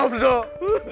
lo bukunya salah